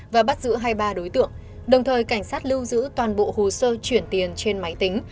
và bắt giữ hai mươi ba đối tượng đồng thời cảnh sát lưu giữ toàn bộ hồ sơ chuyển tiền trên máy tính